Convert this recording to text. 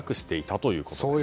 そういうことです。